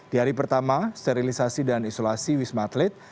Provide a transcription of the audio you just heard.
di hari pertama sterilisasi dan isolasi wisma atlet